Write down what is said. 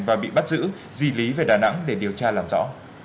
và bị bắt giữ di lý về đà nẵng để điều tra làm rõ